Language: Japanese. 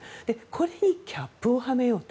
これにキャップをはめようと。